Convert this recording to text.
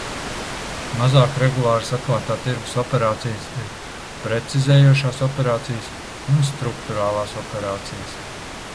Mazāk regulāras atklātā tirgus operācijas ir precizējošās operācijas un strukturālās operācijas.